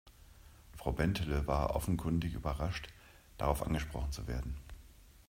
Frau Bentele war offenkundig überrascht, darauf angesprochen zu werden.